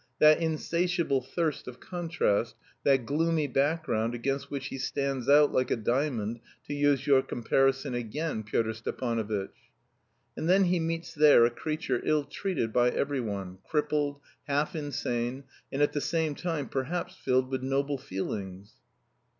That insatiable thirst of contrast, that gloomy background against which he stands out like a diamond, to use your comparison again, Pyotr Stepanovitch. And then he meets there a creature ill treated by every one, crippled, half insane, and at the same time perhaps filled with noble feelings."